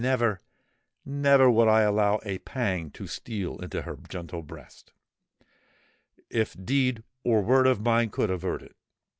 —never—never, would I allow a pang to steal into her gentle breast, if deed or word of mine could avert it.